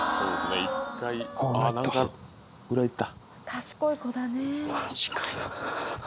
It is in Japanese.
賢い子だね。